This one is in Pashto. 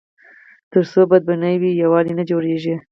تر څو بدبیني وي، یووالی نه جوړېږي.